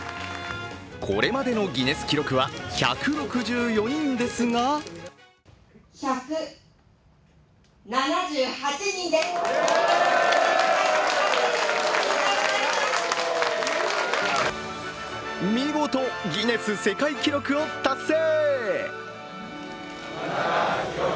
これまでのギネス記録は１６４人ですが見事、ギネス世界記録を達成。